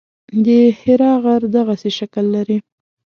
د حرا غر دغسې شکل لري.